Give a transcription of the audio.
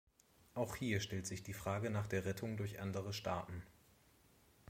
Auch hier stellt sich die Frage nach der Rettung durch andere Staaten.